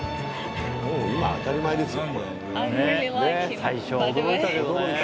今当たり前ですよ。